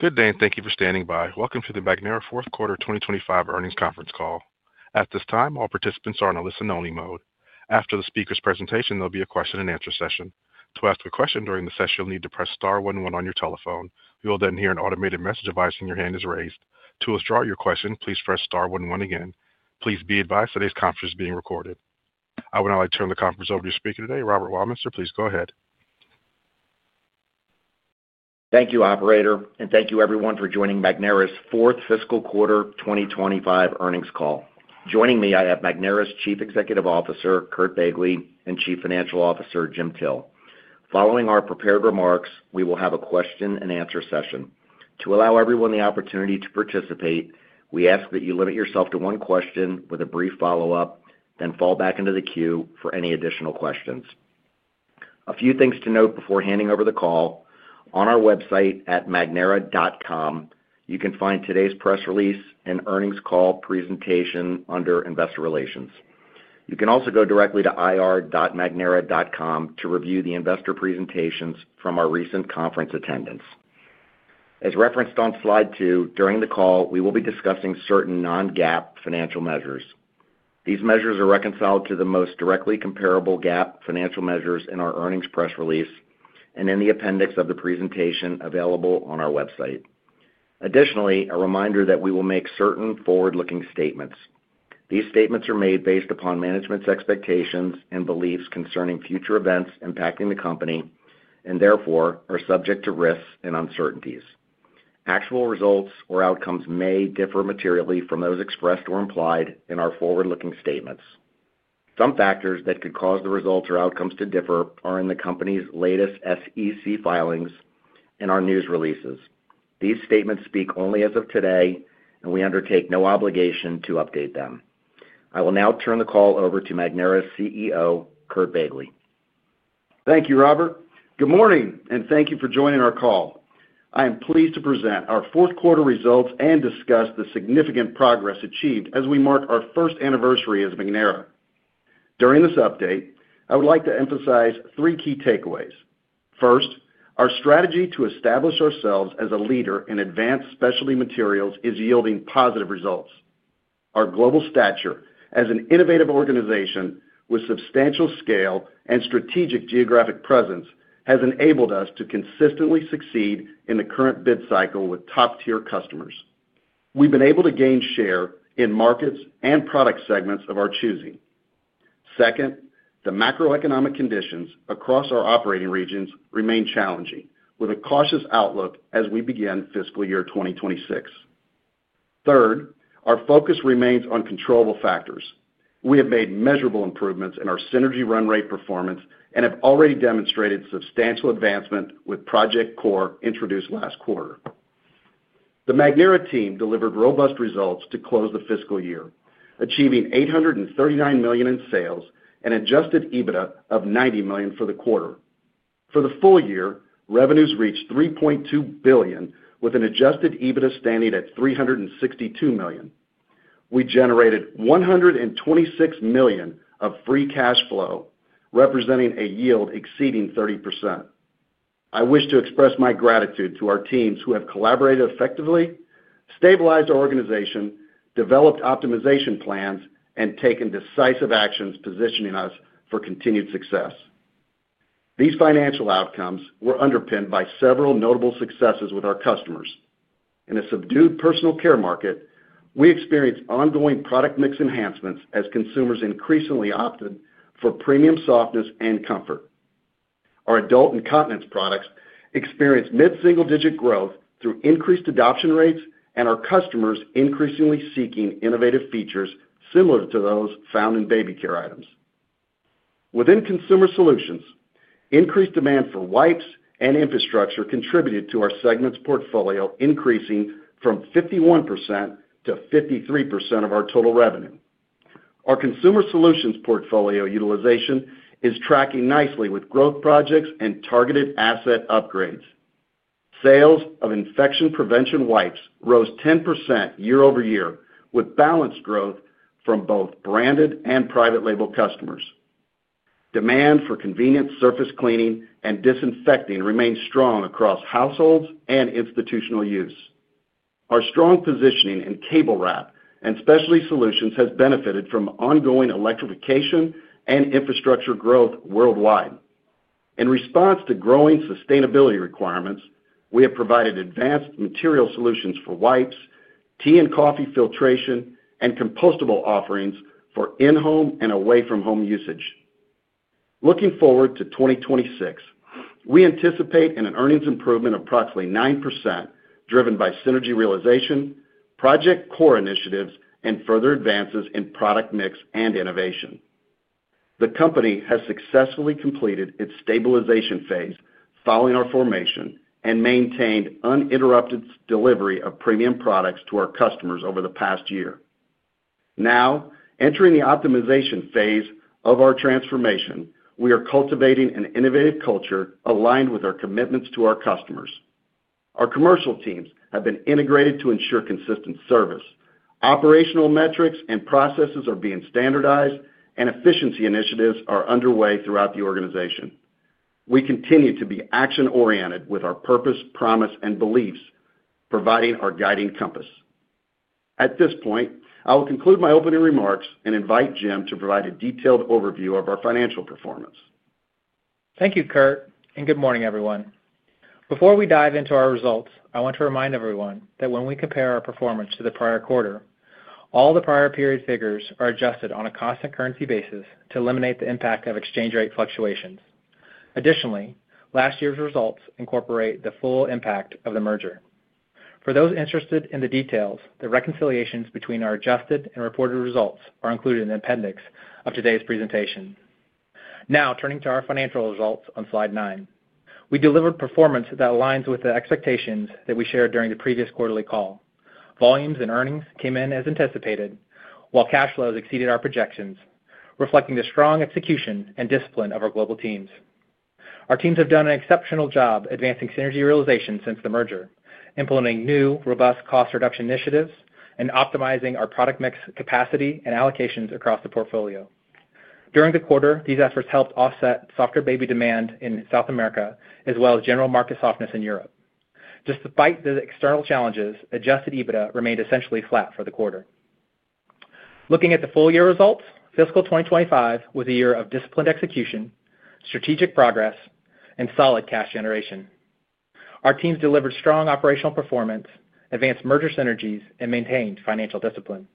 Good day and thank you for standing by. Welcome to the Magnera fourth quarter 2025 earnings conference call. At this time, all participants are in a listen only mode. After the speaker's presentation, there'll be a question and answer session. To ask a question during the session, you'll need to press Star one one on your telephone. You will then hear an automated message device and your hand is raised. To withdraw your question, please press Star one one again. Please be advised today's conference is being recorded. I would now like to turn the conference over to your speaker today, Robert Weilminster. Please go ahead. Thank you, Operator, and thank you, everyone, for joining Magnera's fourth fiscal quarter 2025 earnings call. Joining me, I have Magnera's Chief Executive Officer Curt Begley and Chief Financial Officer Jim Till. Following our prepared remarks, we will have a question and answer session. To allow everyone the opportunity to participate, we ask that you limit yourself to one question with a brief follow-up, then fall back into the queue for any additional questions. A few things to note before handing over the call: on our website at magnera.com you can find today's press release and earnings call presentation under Investor Relations. You can also go directly to ir.magnera.com to review the investor presentations from our recent conference attendance as referenced on slide two. During the call, we will be discussing certain non-GAAP financial measures. These measures are reconciled to the most directly comparable GAAP financial measures in our earnings press release and in the appendix of the presentation available on our website. Additionally, a reminder that we will make certain forward looking statements. These statements are made based upon management's expectations and beliefs concerning future events impacting the company and therefore are subject to risks and uncertainties. Actual results or outcomes may differ materially from those expressed or implied in our forward looking statements. Some factors that could cause the results or outcomes to differ are in the company's latest SEC filings and our news releases. These statements speak only as of today and we undertake no obligation to update them. I will now turn the call over to Magnera's CEO Curt Begley. Thank you, Robert. Good morning and thank you for joining our call. I am pleased to present our fourth quarter results and discuss the significant progress achieved as we mark our first anniversary as Magnera. During this update, I would like to emphasize three key takeaways. First, our strategy to establish ourselves as a leader in advanced specialty materials is yielding positive results. Our global stature as an innovative organization with substantial scale and strategic geographic presence has enabled us to consistently succeed in. The current bid cycle with top tier. Customers been able to gain share in markets and product segments of our choosing. Second, the macroeconomic conditions across our operating regions remain challenging with a cautious outlook. As we begin fiscal year 2026. Third, our focus remains on controllable factors. We have made measurable improvements in our synergy run rate performance and have already demonstrated substantial advancement with Project CORE introduced last quarter. The Magnera team delivered robust results to close the fiscal year, achieving $839 million in sales and adjusted EBITDA of $90 million for the quarter. For the full year, revenues reached $3.2 billion with an adjusted EBITDA standing at $362 million. We generated $126 million of free cash flow representing a yield exceeding 30%. I wish to express my gratitude to our teams who have collaborated effectively, stabilized our organization, developed optimization plans, and taken decisive actions positioning us for continued success. These financial outcomes were underpinned by several notable successes with our customers. In a subdued personal care market, we experienced ongoing product mix enhancements as consumers increasingly opted for premium softness and comfort. Our adult and continence products experienced mid single digit growth through increased adoption rates and our customers increasingly seeking innovative features similar to those found in baby care items within consumer solutions. Increased demand for wipes and infrastructure contributed to our segment's portfolio, increasing from 51% to 53% of our total revenue. Our consumer solutions portfolio utilization is tracking nicely with growth projects and targeted asset upgrades. Sales of infection prevention wipes rose 10% year over year with balanced growth from both branded and private label customers. Demand for convenient surface cleaning and disinfecting remains strong across households and institutional use. Our strong positioning in cable wrap and specialty solutions has benefited from ongoing electrification and infrastructure growth worldwide. In response to growing sustainability requirements, we have provided advanced material solutions for wipes, tea and coffee filtration and compostable offerings for in home and away from home usage. Looking forward to 2026, we anticipate an earnings improvement of approximately 9% driven by synergy realization, Project CORE initiatives and further advances in product mix and innovation. The company has successfully completed its stabilization phase following our formation and maintained uninterrupted delivery of premium products to our customers. Over the past year. Now entering the optimization phase of our transformation, we are cultivating an innovative culture aligned with our commitments to our customers. Our commercial teams have been integrated to ensure consistent service, operational metrics and processes are being standardized, and efficiency initiatives are underway throughout the organization. We continue to be action oriented, with our purpose, promise, and beliefs providing our guiding compass. At this point, I will conclude my opening remarks and invite Jim to provide a detailed overview of our financial performance. Thank you, Curt, and good morning everyone. Before we dive into our results, I want to remind everyone that when we compare our performance to the prior quarter, all the prior period figures are adjusted on a constant currency basis to eliminate the impact of exchange rate fluctuations. Additionally, last year's results incorporate the full impact of the merger. For those interested in the details, the reconciliations between our adjusted and reported results are included in the appendix of today's presentation. Now turning to our financial results on slide nine, we delivered performance that aligns with the expectations that we shared during the previous quarterly call. Volumes and earnings came in as anticipated while cash flows exceeded our projections, reflecting the strong execution and discipline of our global teams. Our teams have done an exceptional job advancing synergy realization since the merger, implementing new robust cost reduction initiatives, and optimizing our product mix capacity and allocations across the portfolio during the quarter. These efforts helped offset softer baby demand in South America as well as general market softness in Europe. Despite the external challenges, adjusted EBITDA remained essentially flat for the quarter. Looking at the full year results, fiscal 2025 was a year of disciplined execution, strategic progress, and solid cash generation. Our teams delivered strong operational performance, advanced merger synergies, and maintained financial discipline.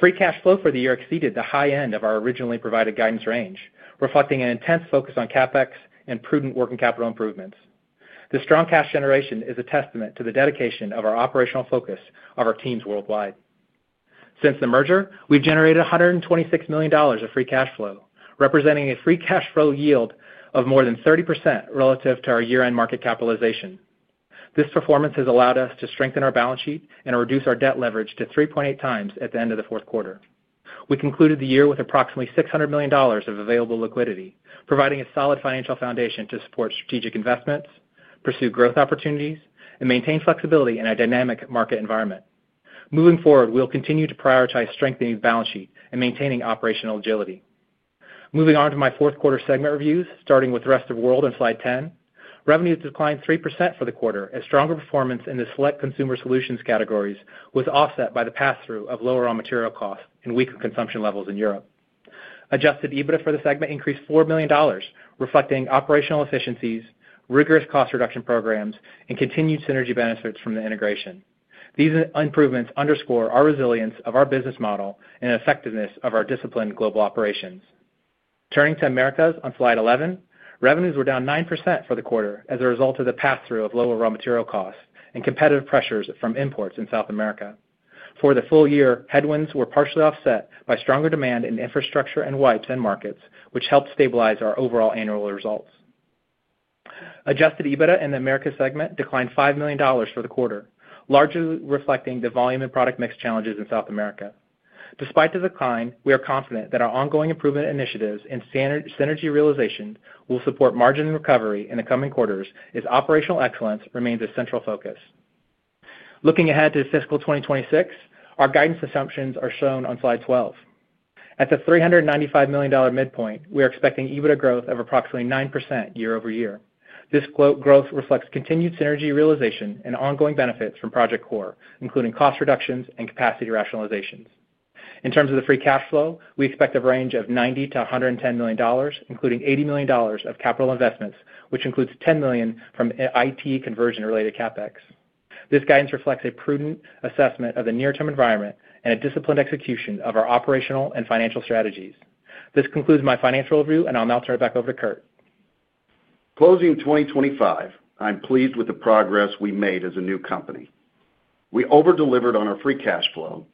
Free cash flow for the year exceeded the high end of our originally provided guidance range, reflecting an intense focus on capex and prudent working capital improvements. This strong cash generation is a testament to the dedication of our operational focus of our teams worldwide. Since the merger, we've generated $126 million of free cash flow, representing a free cash flow yield of more than 30% relative to our year end market capitalization. This performance has allowed us to strengthen our balance sheet and reduce our debt leverage to 3.8 times at the end of the fourth quarter. We concluded the year with approximately $600 million of available liquidity, providing a solid financial foundation to support strategic investments, pursue growth opportunities and maintain flexibility in a dynamic market environment. Moving forward, we'll continue to prioritize strengthening the balance sheet and maintaining operational agility. Moving on to my fourth quarter segment reviews, starting with the rest of World on Slide 10, revenues declined 3% for the quarter as stronger performance in the select consumer solutions categories was offset by the pass through of lower raw material costs and weaker consumption levels in Europe. Adjusted EBITDA for the segment increased $4 million, reflecting operational efficiencies, rigorous cost reduction programs and continued synergy benefits from the integration. These improvements underscore our resilience of our business model and effectiveness of our disciplined global operations. Turning to Americas on Slide 11, revenues were down 9% for the quarter as a result of the pass through of lower raw material costs and competitive pressures from imports in South America for the full year. Headwinds were partially offset by stronger demand in infrastructure and wipes end markets which helped stabilize our overall annual results. Adjusted EBITDA in the Americas segment declined $5 million for the quarter, largely reflecting the volume and product mix challenges in South America. Despite the decline, we are confident that our ongoing improvement initiatives and synergy realization will support margin recovery in the coming quarters as operational excellence remains a central focus. Looking ahead to fiscal 2026, our guidance assumptions are shown on Slide 12. At the $395 million midpoint, we are expecting EBITDA growth of approximately 9% year over year. This growth reflects continued synergy realization and ongoing benefits from Project CORE, including cost reductions and capacity rationalizations. In terms of the free cash flow, we expect a range of $90 million-$110 million, including $80 million of capital investments which includes $10 million from IT conversion related CapEx. This guidance reflects a prudent assessment of the near term environment and a disciplined execution of our operational and financial strategies. This concludes my financial review and I'll now turn it back over to Curt. Closing 2025, I'm pleased with the progress. We made as a new company. We overdelivered on our free cash flow,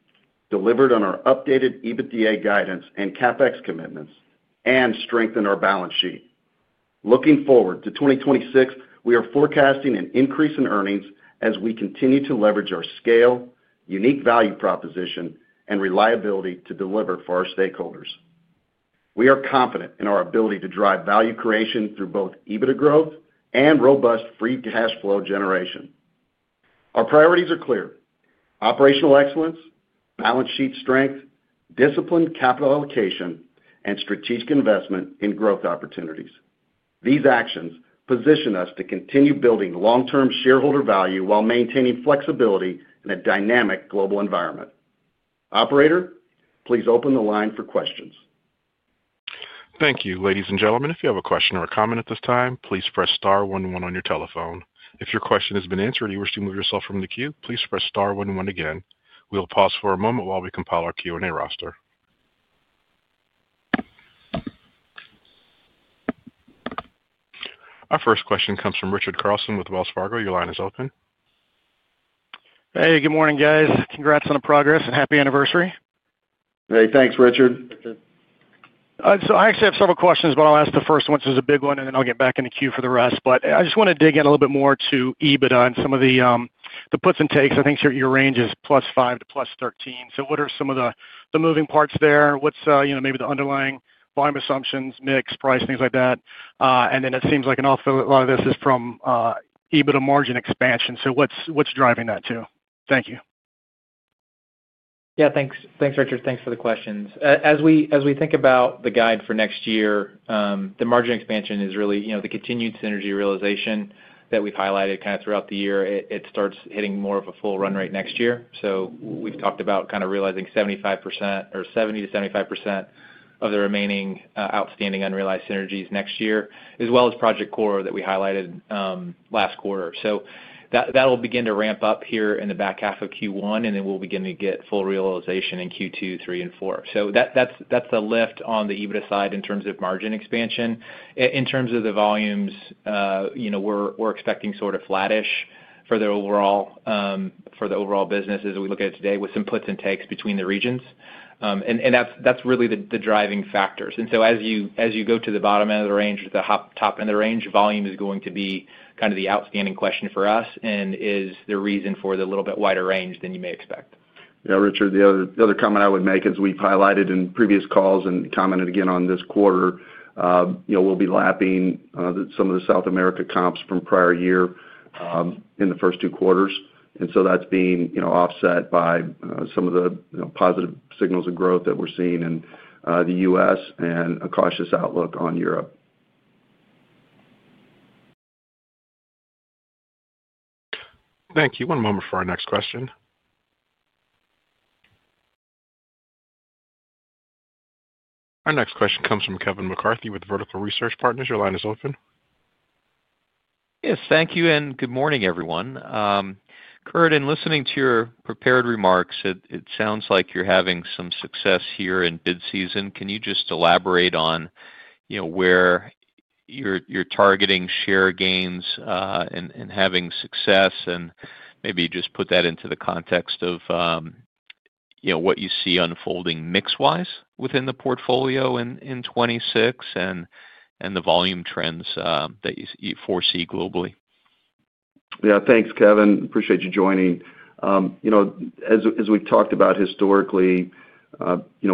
delivered on our updated EBITDA guidance and CapEx commitments and strengthened our balance sheet. Looking forward to 2026, we are forecasting an increase in earnings as we continue to leverage our scale, unique value proposition and reliability to deliver for our stakeholders. We are confident in our ability to drive value creation through both EBITDA growth and robust free cash flow generation. Our priorities are clear: operational excellence, balance sheet strength, disciplined capital allocation and strategic investment in growth opportunities. These actions position us to continue building long-term shareholder value while maintaining flexibility in a dynamic global environment. Operator, please open the line for questions. Thank you. Ladies and gentlemen, if you have a question or a comment at this time, please press star 11 on your telephone. If your question has been answered, you wish to move yourself from the queue, please press star 11 again. We will pause for a moment while we compile our Q&A roster. Our first question comes from Richard Carlson with Wells Fargo. Your line is open. Hey, good morning guys. Congrats on the progress and happy anniversary. Hey, thanks Richard. I actually have several questions, but I'll ask the first one, which is. A big one and then I'll get. Back in the queue for the rest. I just want to dig in a little bit more to EBITDA and some of the puts and takes, I think your range is +5 to +13. What are some of the moving parts there? What's maybe the underlying volume assumptions, mix, price, things like that. It seems like an awful lot of this is from EBITDA margin expansion. What's driving that too? Thank you. Yeah, thanks, Richard. Thanks for the questions. As we think about the guide for. Next year, the margin expansion is really the continued synergy realization that we've highlighted throughout the year. It starts hitting more of a full run rate next year. We've talked about kind of realizing 70-75% of the remaining outstanding unrealized synergies next year as well as Project CORE that we highlighted last quarter. That will begin to ramp up here in the back half of Q1 and then we'll begin to get full realization in Q2, Q3 and Q4. That is a lift on the EBITDA side in terms of margin expansion. In terms of the volumes we're expecting sort of flattish for the overall business as we look at it today with some puts and takes between the regions. That is really the driving factors. As you go to the bottom end of the range, the top end of the range volume is going to be kind of the outstanding question for us. It is the reason for the little bit wider range than you may expect. Yeah, Richard, the other comment I would make, as we've highlighted in previous calls and commented again on this quarter, we'll be lapping some of the South America comps from prior year in the first two quarters. That is being offset by some of the positive signals of growth that we're seeing in the U.S. and a cautious outlook on Europe. Thank you. One moment for our next question. Our next question comes from Kevin McCarthy with Vertical Research Partners. Your line is open. Yes, thank you and good morning everyone. Curt, in listening to your prepared remarks, it sounds like you're having some success here in bid season. Can you just elaborate on where you're targeting share gains and having success and maybe just put that into the context of what you see unfolding mix wise within the portfolio in 2026 and the volume trends that you foresee globally? Yeah, thanks Kevin. Appreciate you joining. As we've talked about historically,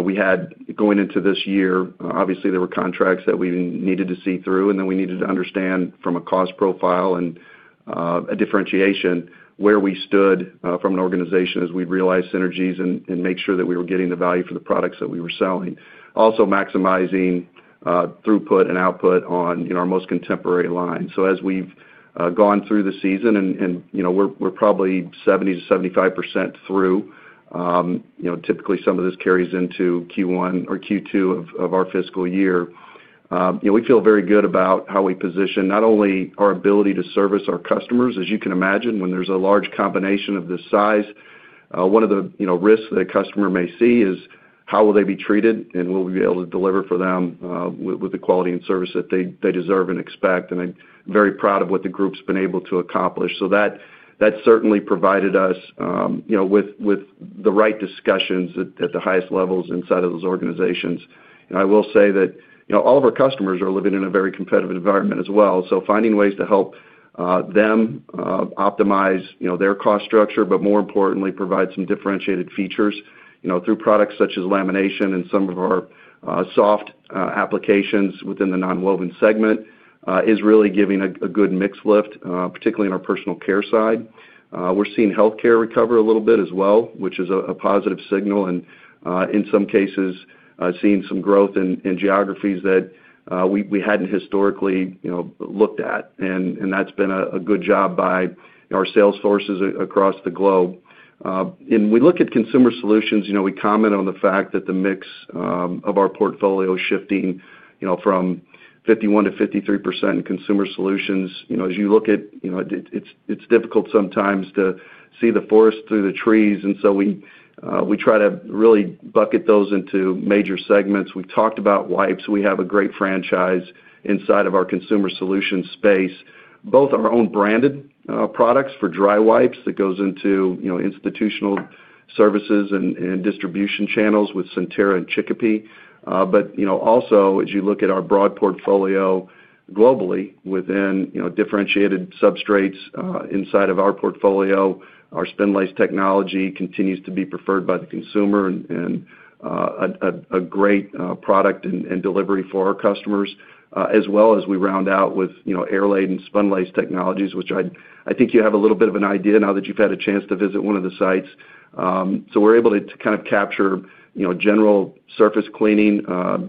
we had going into this year, obviously there were contracts that we needed to see through and then we needed to understand from a cost profile and a differentiation where we stood from an organization as we realize synergies and make sure that we were getting the value for the products that we were selling. Also maximizing throughput and output on our most contemporary line. As we've gone through the season and we're probably 70-75% through, typically some of this carries into Q1 or Q2 of our fiscal year, we feel very good about how we position not only our ability to service our customers. As you can imagine, when there's a large combination of this size, one of the risks that a customer may see is how will they be treated and will we be able to deliver for them with the quality and service that they deserve and expect. I'm very proud of what the group's been able to accomplish. That certainly provided us with the right discussions at the highest levels inside of those organizations. I will say that all of our customers are living in a very competitive environment as well. Finding ways to help them optimize their cost structure, but more importantly provide some differentiated features through products such as lamination and some of our soft applications within the nonwoven segment is really giving a good mix lift. Particularly in our personal care side, we're seeing healthcare recover a little bit as well, which is a positive signal and in some cases seeing some growth in geographies that we hadn't historically looked at. That's been a good job by our sales forces across the globe. We look at consumer solutions. We comment on the fact that the mix of our portfolio shifting from 51% to 53% in consumer solutions, as you look at, it's difficult sometimes to see the forest through the trees. We try to really bucket those into major segments. We talked about wipes. We have a great franchise inside of our consumer solutions space. Both our own branded products for dry wipes that goes into institutional services and distribution channels with Sentara and Chicopee, but also as you look at our broad portfolio globally within differentiated substrates, inside of our portfolio, our Spunlace technology continues to be preferred by the consumer and a great product and delivery for our customers as well as we round out with Airlaid and Spunlace Technologies, which I think you have a little bit of an idea now that you've had a chance to visit one of the sites. We are able to kind of capture general surface cleaning,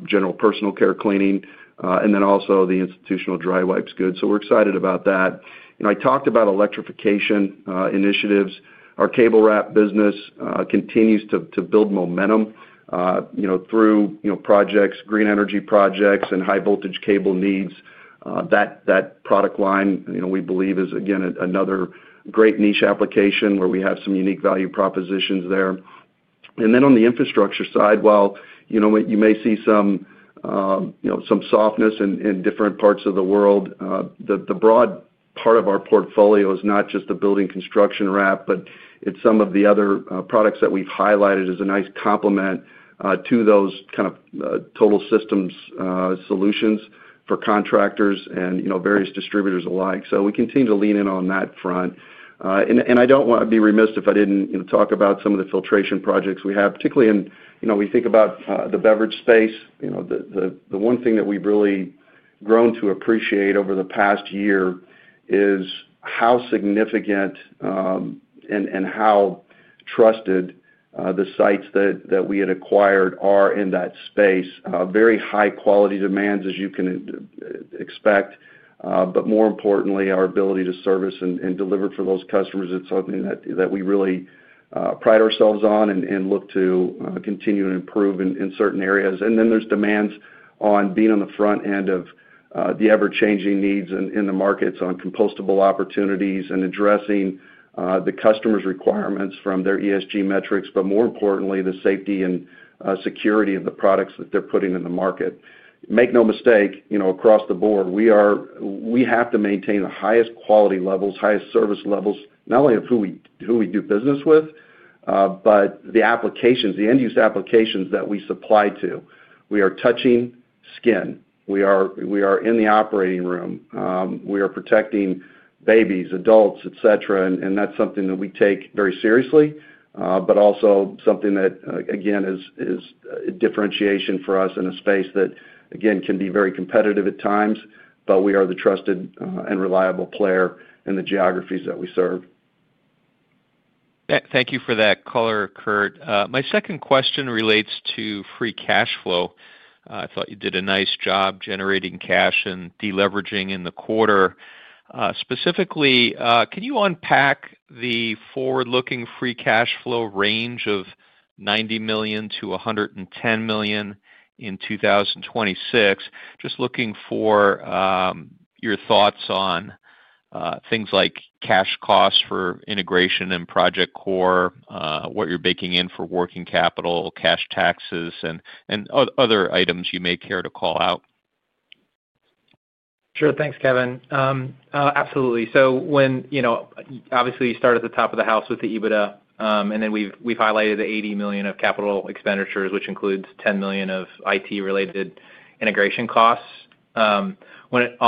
general personal care cleaning, and then also the institutional dry wipes goods. We are excited about that. I talked about electrification initiatives, our Cable Wrap business continues to build momentum through projects, green energy projects and high voltage cable needs. That product line we believe is again another great niche application where we have some unique value propositions there. Then on the infrastructure side, while you may see some softness in different parts of the world, the broad part of our portfolio is not just the building construction wrap, but it's some of the other products that we've highlighted as a nice complement to those kind of total systems solutions for contractors and various distributors alike. We continue to lean in on that front. I don't want to be remiss if I didn't talk about some of the filtration projects we have, particularly when we think about the beverage space. You know, the one thing that we've really grown to appreciate over the past year is how significant and how trusted the sites that we had acquired are in that space. Very high quality demands, as you can expect. More importantly, our ability to service and deliver for those customers. It's something that we really pride ourselves on and look to continue to improve in certain areas. There are demands on being on the front end of the ever-changing needs in the markets on compostable opportunities and addressing the customer's requirements from their ESG metrics, but more importantly the safety and security of the products that they're putting in the market. Make no mistake, across the board we have to maintain the highest quality levels, highest service levels, not only of who we do business with, but the applications, the end use applications that we supply to. We are touching skin, we are in the operating room, we are protecting babies, adults, et cetera. That is something that we take very seriously, but also something that again is differentiation for us in a space that again can be very competitive at times, but we are the trusted and reliable player in the geographies that we serve. Thank you for that color, Curt. My second question relates to free cash flow. I thought you did a nice job generating cash and deleveraging in the quarter. Specifically, can you unpack the forward-looking free cash flow range of $90 million-$110 million in 2026? Just looking for your thoughts on things like cash costs for integration and Project CORE, what you're baking in for working capital, cash, taxes, and other items you may care. Sure. Thanks, Kevin. Absolutely. When you know, obviously you start. At the top of the house with. The EBITDA and then we've highlighted the $80 million of capital expenditures which includes $10 million of IT related integration costs. On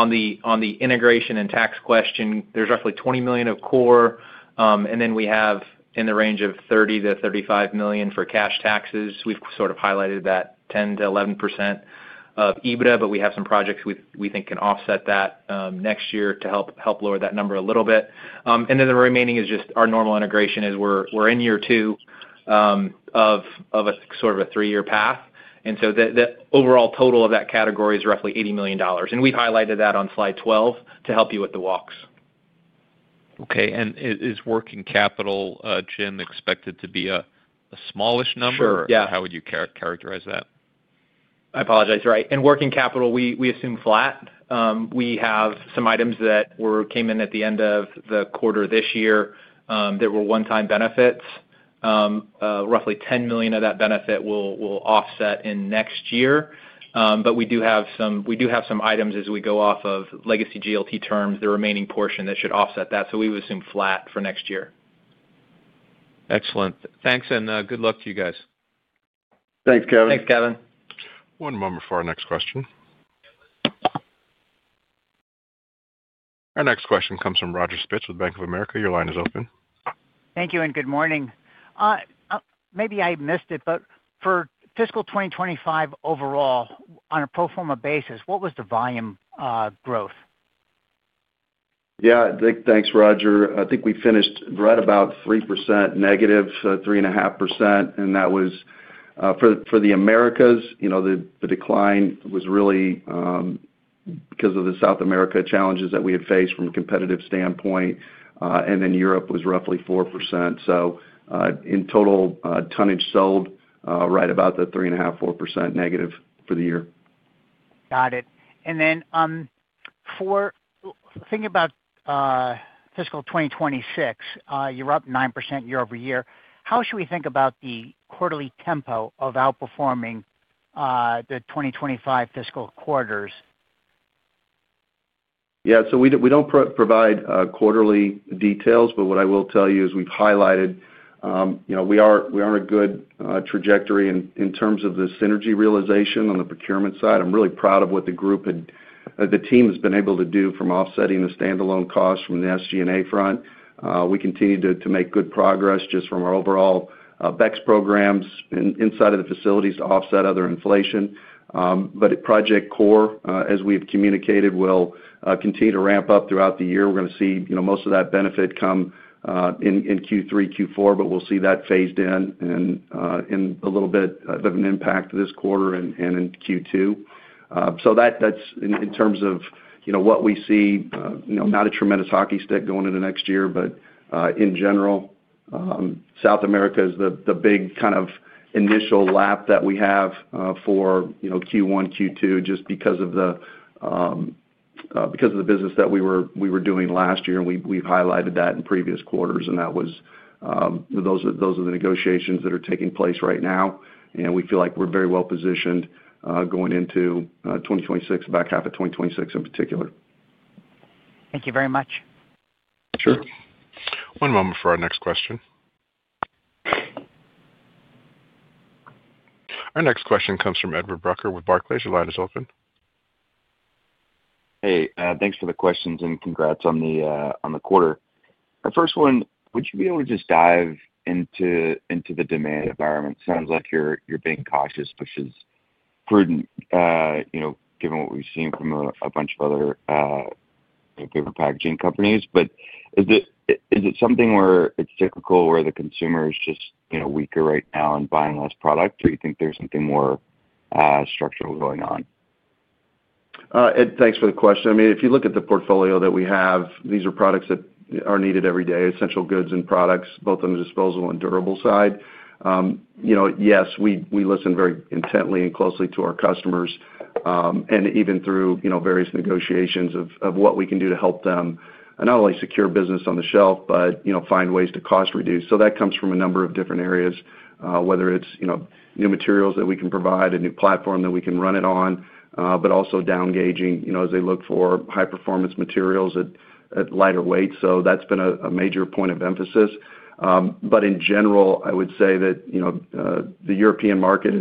the integration and tax question, there's roughly $20 million of core and then we have in the range of $30-$35 million for cash taxes. We've sort of highlighted that 10%-11% of EBITDA. We have some projects we think can offset that next year to help lower that number a little bit. The remaining is just our normal integration as we're in year two of sort of a three year path. The overall total of that category is roughly $80 million. We've highlighted that on slide 12 to help you with the walks. Okay. Is working capital, Jim, expected to be a smallish number? How would you characterize that? I apologize. Right. In working capital, we assume flat. We have some items that came in at the end of the quarter this year that were one-time benefits. Roughly $10 million of that benefit will offset in next year. We do have some items as we go off of legacy GLT terms, the remaining portion that should offset that. We assume flat for next year. Excellent. Thanks and good luck to you guys. Thanks, Kevin. Thanks, Kevin. One moment for our next question. Our next question comes from Roger Spitz with Bank of America. Your line is open. Thank you and good morning. Maybe I missed it, but for fiscal 2025 overall on a pro forma basis, what was the volume growth? Yeah, thanks, Roger. I think we finished right about 3% negative, 3.5%. That was for the Americas. You know, the decline was really because of the South America challenges that we had faced from a competitive standpoint. Europe was roughly 4%. In total tonnage sold, right about the 3.5-4% negative for the year. Got it. For thinking about fiscal 2026, you're up 9% year over year. How should we think about the quarterly tempo of outperforming the 2025 fiscal quarters? Yeah, so we don't provide quarterly details, but what I will tell you is we've highlighted, you know, we are a good trajectory in terms of the synergy realization. On the procurement side, I'm really proud of what the group, the team, has been able to do from offsetting the standalone costs from the SGA front. We continue to make good progress just from our overall BEX programs inside of the facilities to offset other inflation. Project CORE as we have communicated, will continue to ramp up throughout the year. We're going to see most of that benefit come in Q3, Q4, but we'll see that phased in and a little bit of an impact this quarter and in Q2. That is in terms of, you know, what we see, not a tremendous hockey stick going into next year, but in general, South America is the big kind of initial lap that we have for Q1, Q2 just because of the, because of the business that we were doing last year. We have highlighted that in previous quarters. Those are the negotiations that are taking place right now. We feel like we are very well positioned going into 2026, back half of 2026 in particular. Thank you very much. Sure. One moment for our next question. Our next question comes from Edward Brucker with Barclays. Your line is open. Hey, thanks for the questions and congrats on the quarter. The first one, would you be able. To just dive into the demand environment? Sounds like you're being cautious, which is. Prudent given what we've seen from a bunch of other packaging companies. Is it something where it's typical. Where the consumer is just weaker right now and buying less product, or you think there's something more structural going on? Ed, thanks for the question. I mean, if you look at the portfolio that we have, these are products that are needed every day, essential goods and products both on the disposal and durable side. You know, yes, we listen very intently and closely to our customers and even through, you know, various negotiations of what we can do to help them not only secure business on the shelf, but, you know, find ways to cost reduce. That comes from a number of different areas, whether it's new materials that we can provide, a new platform that we can run it on, but also down gauging as they look for high performance materials at lighter weight. That's been a major point of emphasis. In general, I would say that the European market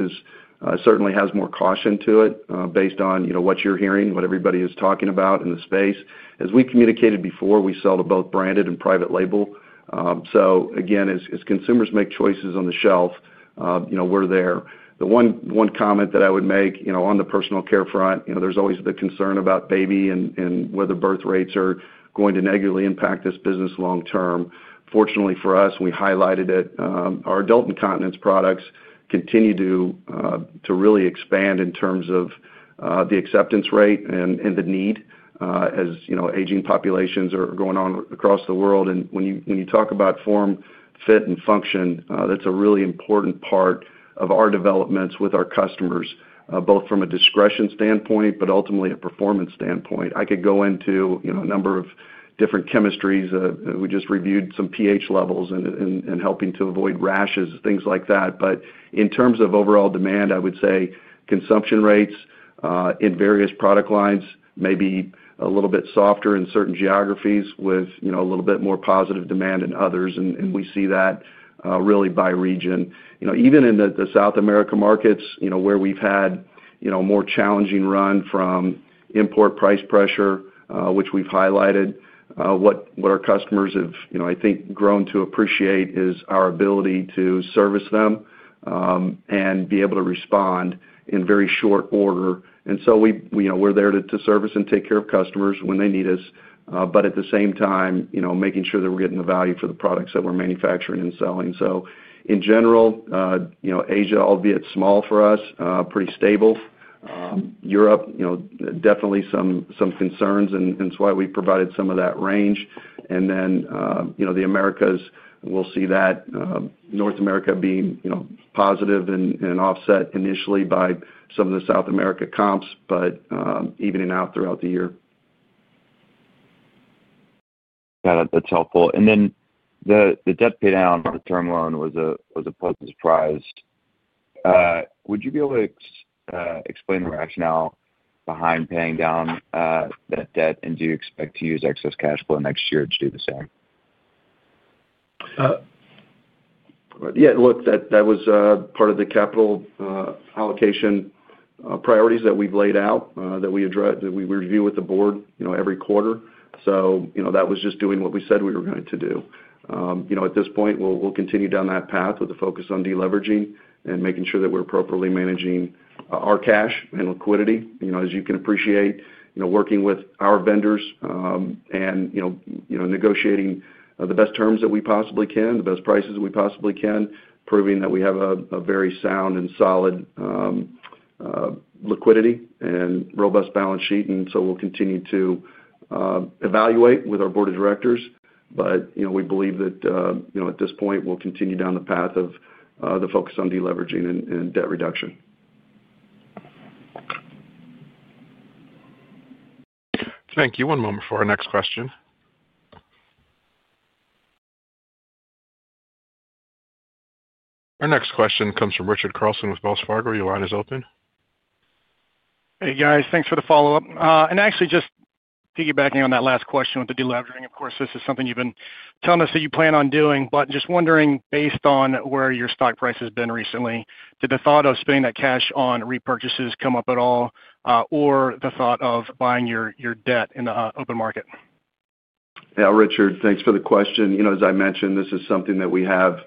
certainly has more caution to it based on what you're hearing, what everybody is talking about in the space. As we communicated before, we sell to both branded and private label. Again, as consumers make choices on the shelf, we're there. The one comment that I would make on the personal care front, there's always the concern about baby and whether birth rates are going to negatively impact this business long term. Fortunately for us, we highlighted it. Our adult incontinence products continue to really expand in terms of the acceptance rate and the need as aging populations are going on across the world. When you talk about form, fit and function, that's a really important part of our developments with our customers, both from a discretion standpoint, but ultimately a performance standpoint. I could go into a number of different chemistries. We just reviewed some pH levels and helping to avoid rashes, things like that. In terms of overall demand, I would say consumption rates in various product lines, maybe a little bit softer in certain geographies, with a little bit more positive demand in others. We see that really by region, even in the South America markets where we've had a more challenging run from import price pressure, which we've highlighted. What our customers have, I think, grown to appreciate is our ability to service them and be able to respond in very short order. We are there to service and take care of customers when they need us, but at the same time making sure that we're getting the value for the products that we're manufacturing and selling. In general, Asia, albeit small for us, pretty stable. Europe, definitely some concerns, and that's why we provided some of that range. The Americas, we'll see that North America being positive and offset initially by some of the South America comps, but evening out throughout the year. Got it. That's helpful. Then the debt, pay down the. Term loan was a pleasant surprise. Would you be able to explain the. Rationale behind paying down that debt? Do you expect to use excess cash flow next year to do the same? Yes, look, that was part of the capital allocation priorities that we've laid out that we address, that we review with the board every quarter. That was just doing what we said we were going to do. At this point, we'll continue down that path with a focus on deleveraging and making sure that we're appropriately managing our cash and liquidity, as you can appreciate. You know, working with our vendors and, you know, negotiating the best terms that we possibly can, the best prices we possibly can, proving that we have a very sound and solid liquidity and robust balance sheet. We'll continue to evaluate with. Our board of directors. We believe that, you know, at this point, we'll continue down the path of the focus on deleveraging and debt reduction. Thank you. One moment for our next question. Our next question comes from Richard Carlson with Wells Fargo. Your line is open. Hey guys, thanks for the follow up. Actually, just piggybacking on that last question with the delevering, of course, this is something you've been telling us that you plan on doing, but just wondering, based on where your stock price has been recently, did the thought of spending that cash on repurchases come up at all or the thought of buying your debt in the open market? Richard, thanks for the question. You know, as I mentioned, this is something that we have,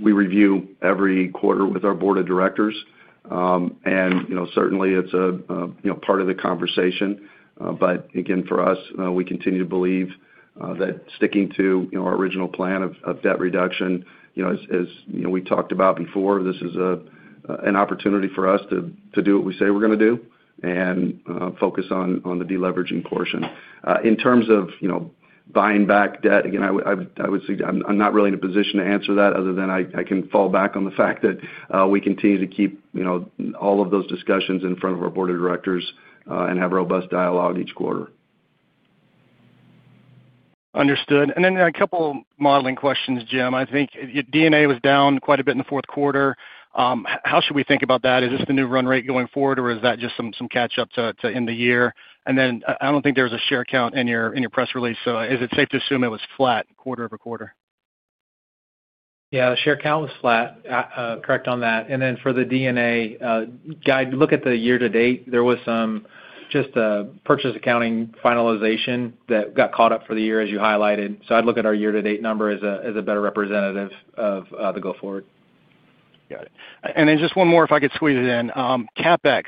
we review every quarter with our board of directors. You know, certainly it's a part of the conversation. For us, we continue to believe that sticking to our original plan of debt reduction, you know, as we talked about before, this is an opportunity for us to do what we say we're going to do and focus on the deleveraging portion in terms of, you know, buying back debt. Again, I would, I'm not really in a position to answer that other than I can fall back on the fact that we continue to keep, you know, all of those discussions in front of our board of directors and have robust dialogue each quarter. Understood. A couple modeling questions. Jim, I think DNA was down quite a bit in the fourth quarter. How should we think about that? Is this the new run rate going forward or is that just some catch up to end the year? I do not think there is a share count in your press release. Is it safe to assume it. Was flat quarter over quarter? Yeah, the share count was flat. Correct on that. For the DNA guide, look at the year to date, there was. Just a purchase accounting finalization that got caught up for the year as you highlighted. I'd look at our year to date number as a better representative of the go forward. Got it. Just one more if I could squeeze it in. CapEx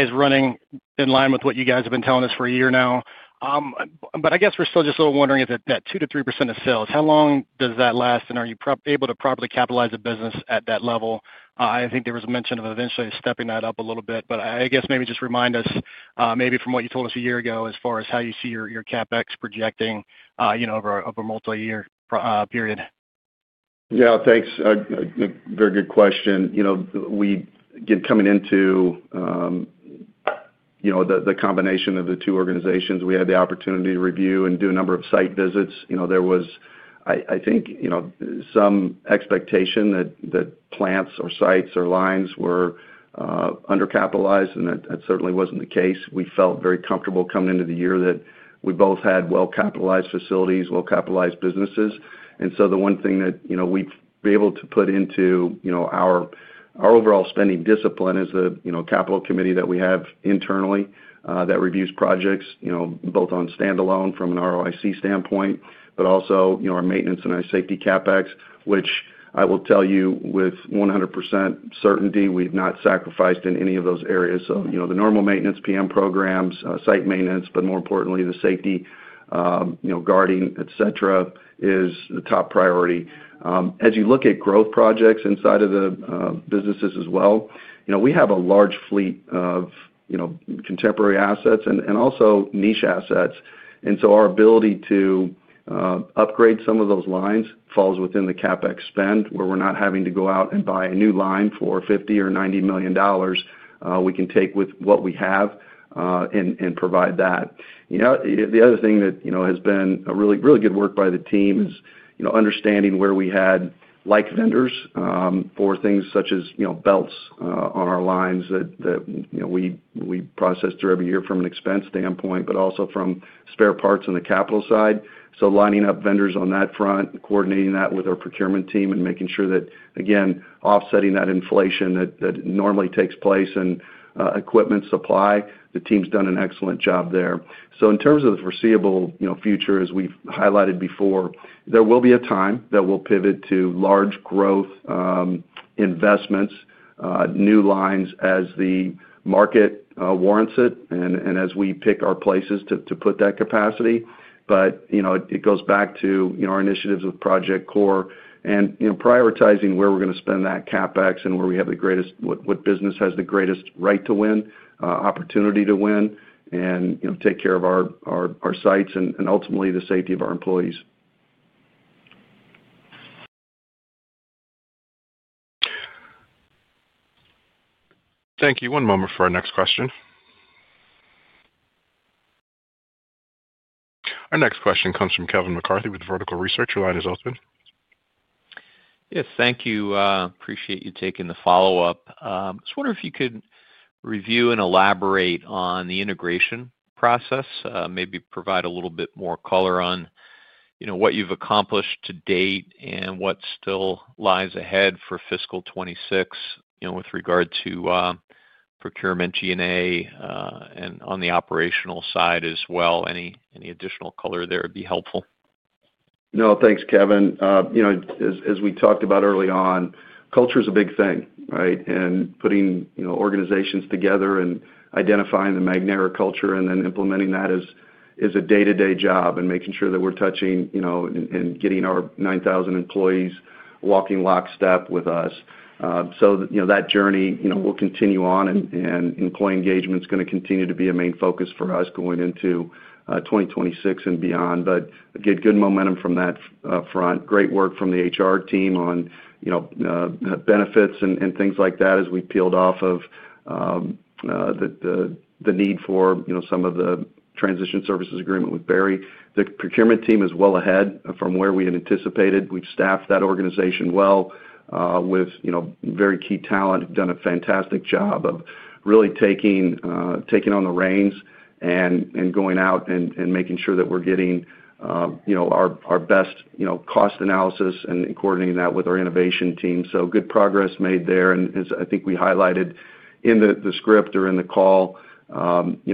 is running in line with what you guys have been telling us for a year now. I guess we're still just a little wondering if that 2-3% of sales, how long does that last and are you able to properly capitalize the business at that level? I think there was a mention of eventually stepping that up a little bit. I guess maybe just remind us maybe from what you told us. Year ago as far as how you. See your CapEx projecting of a multi year period. Yeah, thanks. Very good question. You know, we coming into, you know, the combination of the two organizations, we had the opportunity to review and do a number of site visits. You know, there was, I think, you know, some expectation that plants or sites or lines were undercapitalized and that certainly wasn't the case. We felt very comfortable coming into the year that we both had well capitalized facilities, well capitalized businesses. The one thing that we've been able to put into our overall spending discipline is the capital committee that we have internally that reviews projects both on standalone from an ROIC standpoint, but also our maintenance and safety Capex, which I will tell you with 100% certainty, we've not sacrificed in any of those areas. The normal maintenance, PM programs, site maintenance, but more importantly the safety guarding, etc. is the top priority. As you look at growth projects inside of the businesses as well, we have a large fleet of contemporary assets and also niche assets. Our ability to upgrade some of those lines falls within the CapEx spend where we're not having to go out and buy a new line for $50 million or $90 million. We can take with what we have and provide that. The other thing that has been really good work by the team is understanding where we had like vendors for things such as belts on our lines that we process through every year from an expense standpoint, but also from spare parts on the capital side. Lining up vendors on that front, coordinating that with our procurement team and making sure that again, offsetting that inflation that normally takes place in equipment supply, the team's done an excellent job there. In terms of the foreseeable future, as we highlighted before, there will be a time that we'll pivot to large growth investments, new lines as the market warrants it and as we pick our places to put that capacity. It goes back to our initiatives with Project CORE and prioritizing where we're going to spend that CapEx and where we have the greatest, what business has the greatest right to win, opportunity to win and take care of our sites and ultimately the safety of our employees. Thank you. One moment for our next question. Our next question comes from Kevin McCarthy with Vertical Research Partners. Your line is open. Yes, thank you. Appreciate you taking the follow up. Just wondering if you could review and elaborate on the integration process. Maybe provide a little bit more color on what you've accomplished to date and what still lies ahead for fiscal 2026 with regard to procurement, G&A, and on the operational side as well. Any additional color there would be helpful. No thanks, Kevin. You know, as we talked about early on, culture is a big thing, right? Putting organizations together and identifying the Magnera culture and then implementing that is a day to day job and making sure that we're touching, you know, and getting our 9,000 employees walking lockstep with us. You know, that journey, you know, will continue on and employee engagement is going to continue to be a main focus for us going into 2026 and beyond, but get good momentum from that front. Great work from the HR team on, you know, benefits and things like that. As we peeled off of. The need. For some of the transition services agreement with Berry, the procurement team is well ahead from where we had anticipated. We've staffed that organization well with very key talent, done a fantastic job of really taking on the reins and going out and making sure that we're getting our best cost analysis and coordinating that with our innovation team. Good progress made there. I think we highlighted in the script or in the call. We'Re.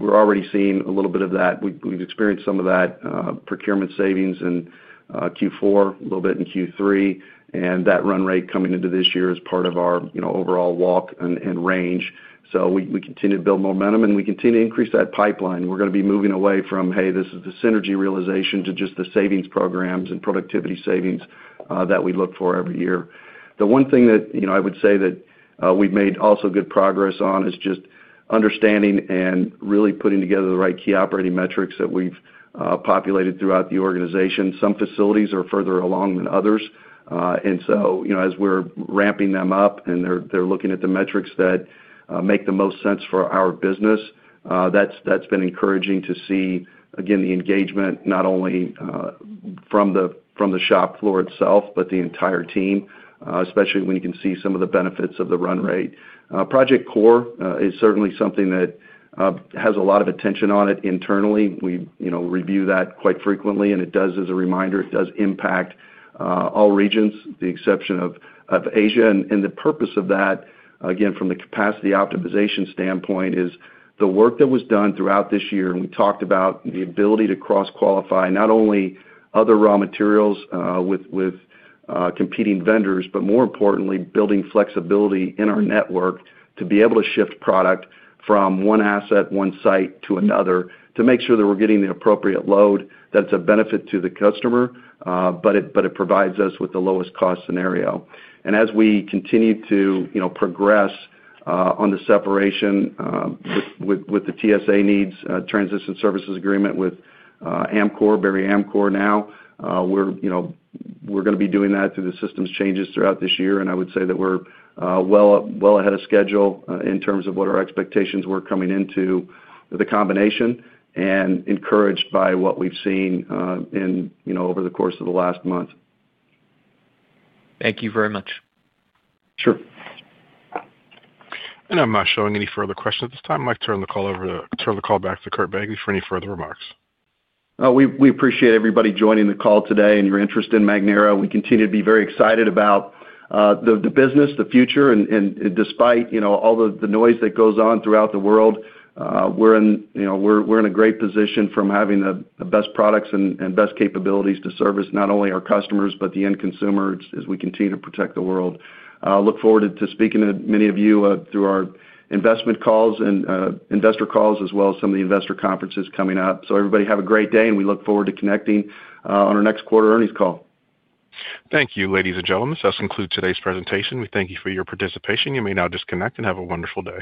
Already seeing a little bit of that. We've experienced some of that procurement savings in Q4, a little bit in Q3, and that run rate coming into this year is part of our overall walk and range. We continue to build momentum and we continue to increase that pipeline. We're going to be moving away from, hey, this is the synergy realization to just the savings programs and productivity savings that we look for every year. The one thing that I would say that we've made also good progress on is just understanding and really putting together the right key operating metrics that we've populated throughout the organization. Some facilities are further along than others. As we're ramping them up and they're looking at the metrics that make the most sense for our business, that's been encouraging to see again the engagement not only from the shop floor itself, but the entire team, especially when you can see some of the benefits of the run rate. Project CORE is certainly something that has a lot of attention on it internally. We review that quite frequently and it does, as a reminder, it does impact all regions, with the exception of Asia. The purpose of that, again, from the capacity optimization standpoint, is the work that was done throughout this year and we talked about the ability to cross qualify not only other raw materials with competing vendors, but more importantly building flexibility in our network to be able to shift product from one asset, one site to another to make sure that we're getting the appropriate load, that it's a benefit to the customer, but it provides us with the lowest cost scenario. As we continue to progress on the separation with the TSA, transition services agreement with Amcor, Berry, Amcor, now we're going to be doing that through the systems changes throughout this year. I would say that we're well ahead of schedule in terms of what our expectations were coming into the combination and encouraged by what we've seen in over the course of the last month. Thank you very much. Sure. I'm not showing any further questions at this time. I might turn the call back to Curt Begle for any further remarks. We appreciate everybody joining the call today and your interest in Magnera. We continue to be very excited about. The business, the future. Despite all the noise that goes on throughout the world, we're in a great position from having the best products and best capabilities to service not only our customers, but the end consumers as we continue to protect the world. I look forward to speaking to many of you through our investment calls and investor calls, as well as some of the investor conferences coming up. Everybody have a great day and we look forward to connecting on our. Next quarter earnings call. Thank you. Ladies and gentlemen. That concludes today's presentation. We thank you for your participation. You may now disconnect and have a wonderful day.